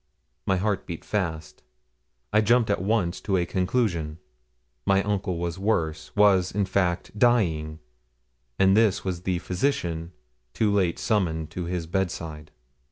My heart beat fast. I jumped at once to a conclusion. My uncle was worse was, in fact, dying; and this was the physician, too late summoned to his bedside.